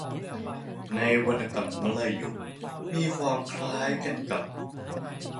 ในวรรณกรรมมลายูมีความคล้ายกันกับ